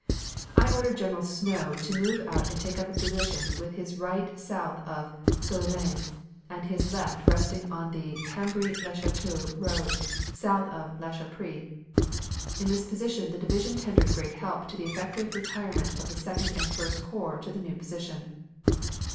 "I ordered General Snow to move out to take up a position with his right south of Solesmes, his left resting on the Cambrai LeCateau Road south of La Chaprie. In this position the division tendered great help to the effective retirement of the Second and First Corps to the new position.